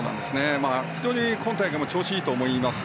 非常に今大会も調子がいいと思います。